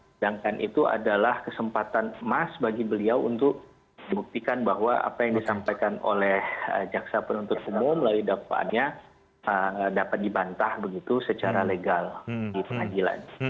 sedangkan itu adalah kesempatan emas bagi beliau untuk buktikan bahwa apa yang disampaikan oleh jaksa penuntut umum melalui dakwaannya dapat dibantah begitu secara legal di pengadilan